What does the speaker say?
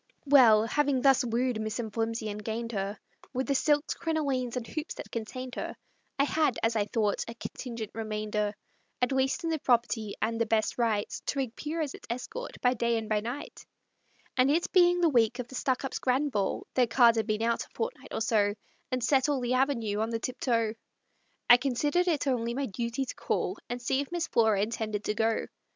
Well, having thus wooed Miss M'Flimsey and gained her, With the silks, crinolines, and hoops that contained her, I had, as I thought, a contingent remainder At least in the property, and the best right To appear as its escort by day and by night; And it being the week of the Stuckups' grand ball Their cards had been out a fortnight or so, And set all the Avenue on the tiptoe I considered it only my duty to call, And see if Miss Flora intended to go.